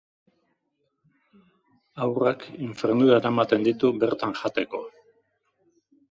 Haurrak infernura eramaten ditu bertan jateko.